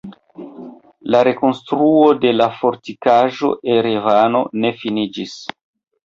La rekonstruo de la Fortikaĵo Erevano ne finiĝis.